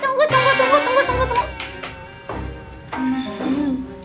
tunggu tunggu tunggu